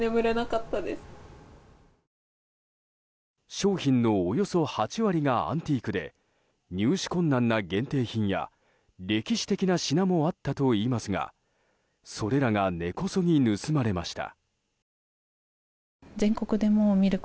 商品のおよそ８割がアンティークで入手困難な限定品や歴史的な品もあったといいますがそれらが根こそぎ盗まれました。